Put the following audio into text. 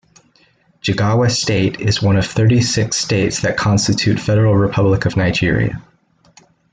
Jigawa State is one of thirty-six states that constitute Federal Republic of Nigeria.